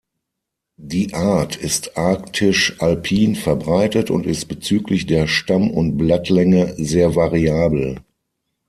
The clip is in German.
Die Art ist arktisch-alpin verbreitet und ist bezüglich der Stamm- und Blattlänge sehr variabel.